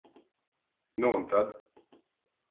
Nu un tad?